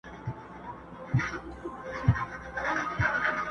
د طوطي له خولې خبري نه وتلې؛